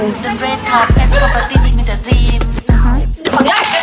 ว้าว